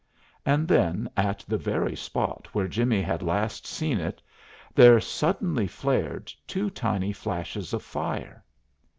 And then, at the very spot where Jimmie had last seen it, there suddenly flared two tiny flashes of fire.